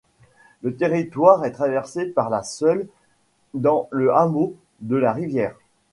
Le territoire est traversé par la Seulles, dans le hameau de la Rivière.